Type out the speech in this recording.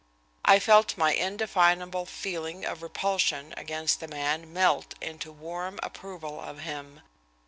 I felt my indefinable feeling of repulsion against the man melt into warm approval of him.